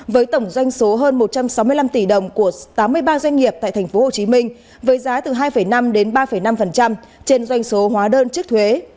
với tổng doanh số hơn một trăm sáu mươi năm tỷ đồng của tám mươi ba doanh nghiệp tại tp hcm với giá từ hai năm đến ba năm trên doanh số hóa đơn trước thuế